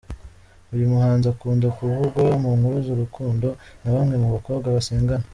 Uyu muhanzi akunda kuvugwa mu nkuru z’urukundo na bamwe mu bakobwa basengana.